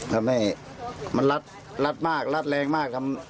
ทำให้มันลัดลัดมากแรงมากทำ